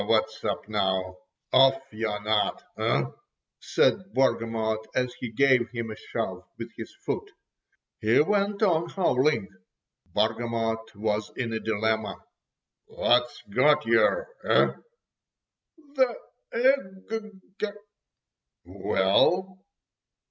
"What's up now? Off your nut, eh?" said Bargamot as he gave him a shove with his foot. He went on howling. Bargamot was in a dilemma. "What's got yer, eh?" "The eg—g." "Well?"